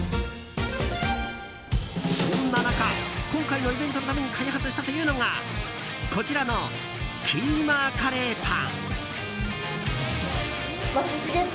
そんな中今回のイベントのために開発したというのがこちらのキーマカレーパン。